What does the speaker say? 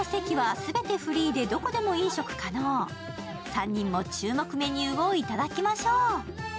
３人も注目メニューをいただきましょう。